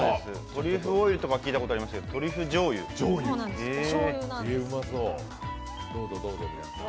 トリュフオイルとか聞いたことありますけどトリュフしょうゆ、へえ。